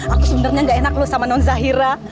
aku sebenernya gak enak loh sama non zahira